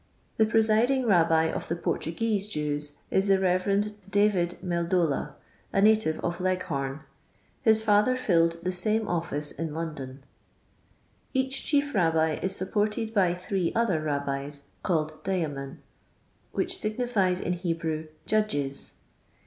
The presiding Rabbi of the Portuguese Jews is the Rev. David Meldola, a native of Leghorn; his father filled the same ofiice in London. Each chief Rabbi is supported by three other Rabbis^ called Dayamin, which signifies in Hebrew 'Judges.'